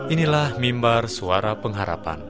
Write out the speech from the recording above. inilah mimbar suara pengharapan